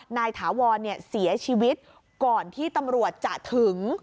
ถาวรเสียชีวิตก่อนที่ตำรวจจะถึง